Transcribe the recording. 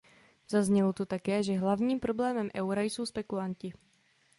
Zaznělo tu také, že hlavním problémem eura jsou spekulanti.